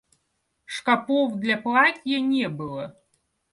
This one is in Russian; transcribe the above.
Шкапов для платья не было.